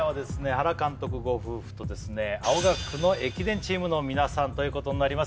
原監督ご夫婦とですね青学の駅伝チームの皆さんということになります